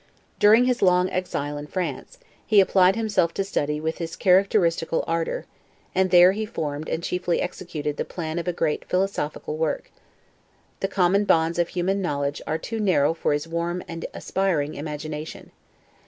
During his long exile in France, he applied himself to study with his characteristical ardor; and there he formed and chiefly executed the plan of a great philosophical work. The common bounds of human knowledge are too narrow for his warm and aspiring imagination.